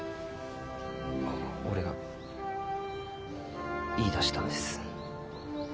俺が言いだしたんです。